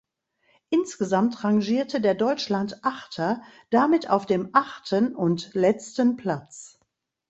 Insgesamt rangierte der Deutschland-Achter damit auf dem achten und letzten Platz.